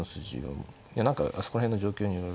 いや何かあそこら辺の状況によるんだけど。